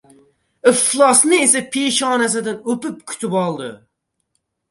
— Iflosni esa peshonasidan o‘pib kutib oladi.